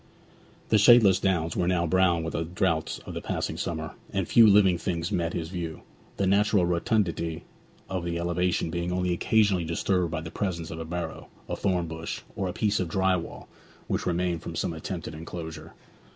The shadeless downs were now brown with the droughts of the passing summer, and few living things met his view, the natural rotundity of the elevation being only occasionally disturbed by the presence of a barrow, a thorn bush, or a piece of dry wall which remained from some attempted enclosure.